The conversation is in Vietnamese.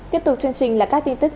tiếp tục chương trình là các tin tức